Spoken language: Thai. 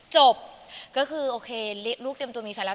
จบก็คือโอเคลูกเตรียมตัวมีแฟนแล้ว